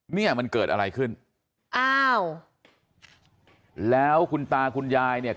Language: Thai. เนี่ยมันเกิดอะไรขึ้นอ้าวแล้วคุณตาคุณยายเนี่ย